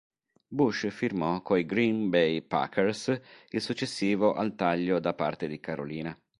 Bush firmò coi Green Bay Packers il successivo al taglio da parte di Carolina.